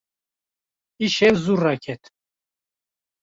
Îşev zû raket.